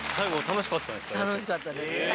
楽しかったですね。